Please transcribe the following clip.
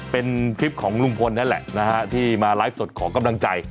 เป็นคลิปของลุงพลนั่นแหละนะฮะที่มาไลฟ์สดขอกำลังใจ